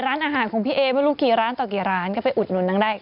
ร้านอาหารของพี่เอไม่รู้กี่ร้านต่อกี่ร้านก็ไปอุดหนุนนางได้